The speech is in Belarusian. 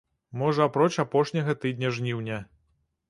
Можа, апроч апошняга тыдня жніўня.